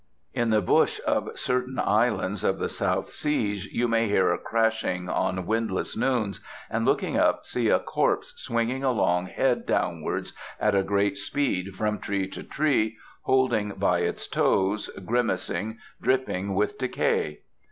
In the bush of certain islands of the South Seas you may hear a crashing on windless noons, and, looking up, see a corpse swinging along head downwards at a great speed from tree to tree, holding by its toes, grimacing, dripping with decay.